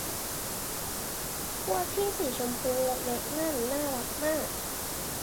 พวกที่สีชมพูเล็ก ๆ นั้นน่ารักมาก